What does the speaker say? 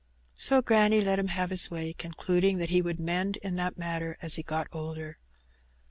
So granny let him have his way, concluding that he would mend in that matter as he got older.